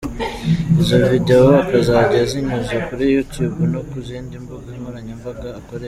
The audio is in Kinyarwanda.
Izo Video akazajya azinyuza kuri Youtube no ku zindi mbuga nkoranyambaga akoresha.